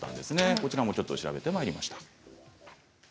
こちらも調べてまいりました。